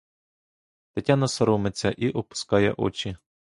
Тетяна соромиться і опускає очі.